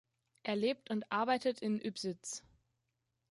Er lebt und arbeitet in Ybbsitz.